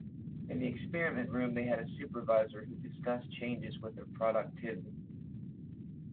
In the experiment room they had a supervisor who discussed changes with their productivity.